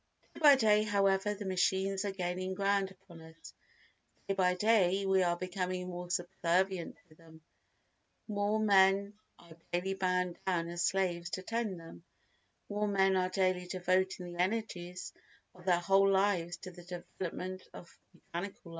Day by day, however, the machines are gaining ground upon us; day by day we are becoming more subservient to them; more men are daily bound down as slaves to tend them, more men are daily devoting the energies of their whole lives to the development of mechanical life.